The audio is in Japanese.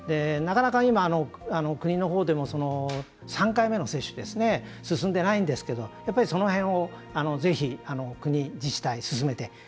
なかなか今、国のほうでも３回目の接種進んでないんですけどやっぱり、その辺をぜひ国、自治体、進めて。